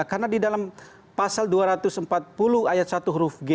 karena di dalam pasal dua ratus empat puluh ayat satu huruf g